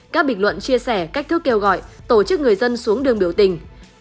các bình luận chia sẻ cách thức kêu gọi tổ chức người dân xuống đường biểu tình